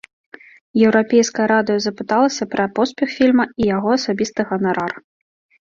Еўрапейскае радыё запыталася пра поспех фільма і яго асабісты ганарар.